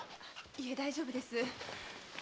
いえ大丈夫です。